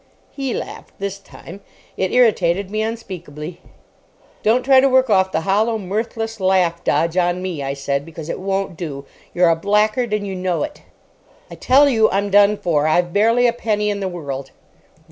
He laughed this time. It irritated me unspeakably. "Don't try to work off the hollow, mirthless laugh dodge on me," I said, "because it won't do. You're a blackguard, and you know it." "I tell you I'm done for. I've barely a penny in the world."